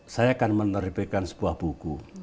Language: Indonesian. saya akan menerbitkan sebuah buku